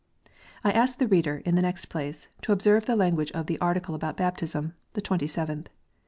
I ask the reader, in the next place, to observe the language of the Article about baptism, the Twenty seventh.